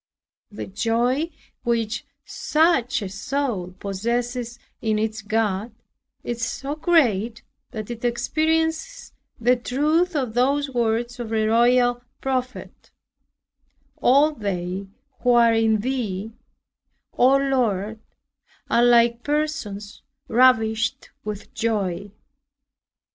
The joy which such a soul possesses in its God is so great, that it experiences the truth of those words of the royal prophet, "All they who are in thee, O Lord, are like persons ravished with joy."